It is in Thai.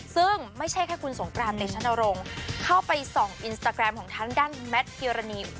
ซึ่งไม่ใช่แค่คุณสงกรานเตชนรงค์เข้าไปส่องอินสตาแกรมของทางด้านแมทพิรณี